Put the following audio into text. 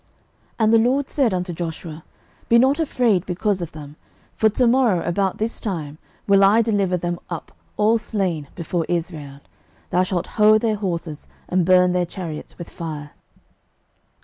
06:011:006 And the LORD said unto Joshua, Be not afraid because of them: for to morrow about this time will I deliver them up all slain before Israel: thou shalt hough their horses, and burn their chariots with fire.